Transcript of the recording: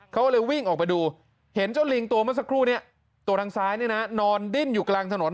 เขาก็เลยวิ่งออกไปดูเห็นเจ้าลิงตัวเมื่อสักครู่เนี่ยตัวทางซ้ายเนี่ยนะนอนดิ้นอยู่กลางถนน